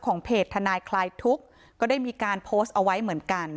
เพจทนายคลายทุกข์ก็ได้มีการโพสต์เอาไว้เหมือนกัน